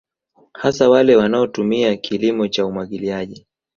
Hasa wale wanao tumia kilimo cha umwagiliaji